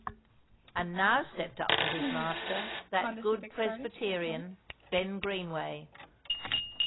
And now stepped up to his master that good Presbyterian, Ben Greenway.